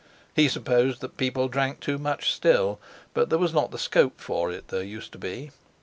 He supposed that people drank too much still, but there was not the scope for it there used to be.